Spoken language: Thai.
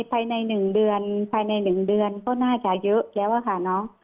ไปในหนึ่งเดือนก็น่าจะเยอะแล้วค่ะเนอะ